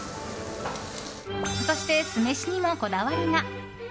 そして、酢飯にもこだわりが。